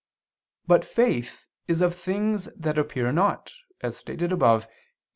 But faith is of things that appear not, as stated above (Q.